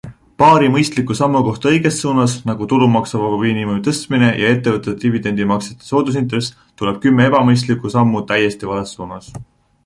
Paari mõistliku sammu kohta õiges suunas - nagu tulumaksuvaba miinimumi tõstmine ja ettevõtete dividendidemaksete soodusintress - tuleb kümme ebamõistlikku sammu täiesti vales suunas.